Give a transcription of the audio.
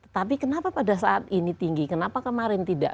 tapi kenapa pada saat ini tinggi kenapa kemarin tidak